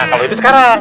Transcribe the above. kalau itu sekarang